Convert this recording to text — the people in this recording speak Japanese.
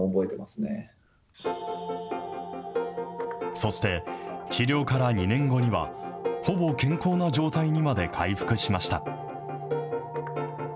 そして、治療から２年後には、ほぼ健康な状態にまで回復しました。